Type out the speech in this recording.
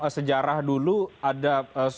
sejarah dulu ada